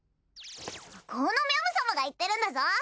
このみゃむ様が言ってるんだぞ！